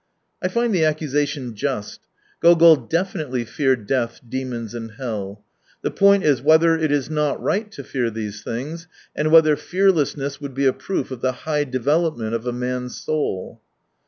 I find the accusation just : Gogol definitely feared death, demons, and hell. The point is, whether it is not right to fear these things, and whether fearlessness would be a proof of the high development of a man's soul.